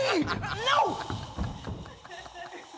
ノー！